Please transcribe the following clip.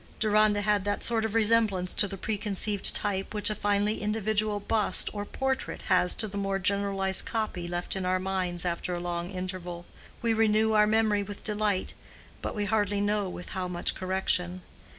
Deronda had that sort of resemblance to the preconceived type which a finely individual bust or portrait has to the more generalized copy left in our minds after a long interval: we renew our memory with delight, but we hardly know with how much correction.